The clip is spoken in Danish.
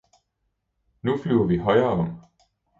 nu flyver vi højre om!